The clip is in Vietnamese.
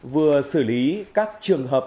vừa xử lý các trường hợp